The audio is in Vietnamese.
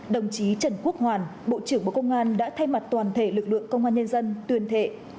đồng chí trần quốc hoàn bộ trưởng bộ công an đã thay mặt toàn thể lực lượng công an nhân dân tuyên thệ